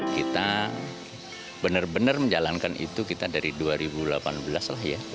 kita benar benar menjalankan itu kita dari dua ribu delapan belas lah ya